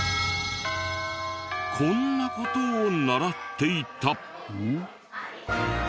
こんな事を習っていた。